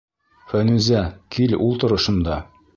Фәнүзә, кил ултыр ошонда.